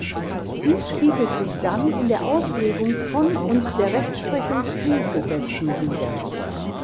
Dies spiegelt sich dann in der Auslegung von und der Rechtsprechung zu Gesetzen wider.